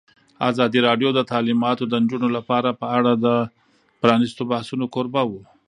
ازادي راډیو د تعلیمات د نجونو لپاره په اړه د پرانیستو بحثونو کوربه وه.